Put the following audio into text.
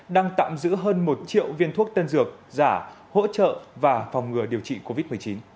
đang tạm giữ hơn một triệu viên thuốc tân dược giả hỗ trợ và phòng ngừa điều trị covid một mươi chín